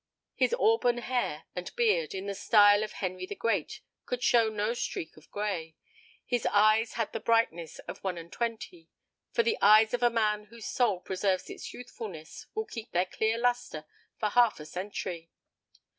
His auburn hair and beard, in the style of Henry the Great, could show no streak of grey. His eyes had the brightness of one and twenty; for the eyes of a man whose soul preserves its youthfulness will keep their clear lustre for half a century.